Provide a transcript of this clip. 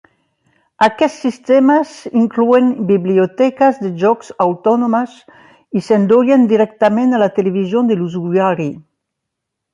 Aquests sistemes inclouen biblioteques de jocs autònomes i s'endollen directament a la televisió de l'usuari.